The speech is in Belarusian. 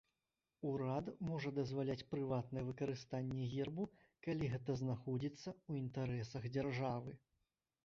Урад можа дазваляць прыватнае выкарыстанне гербу, калі гэта знаходзіцца ў інтарэсах дзяржавы.